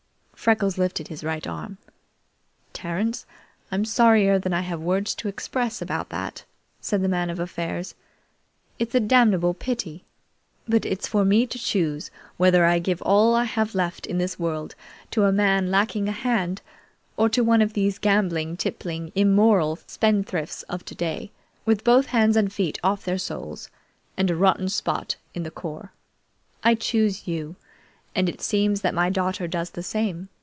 Freckles lifted his right arm. "Terence, I'm sorrier than I have words to express about that," said the Man of Affairs. "It's a damnable pity! But if it's for me to choose whether I give all I have left in this world to a man lacking a hand, or to one of these gambling, tippling, immoral spendthrifts of today, with both hands and feet off their souls, and a rotten spot in the core, I choose you; and it seems that my daughter does the same.